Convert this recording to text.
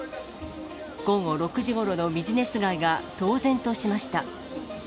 午後６時ごろのビジネス街が騒然としました。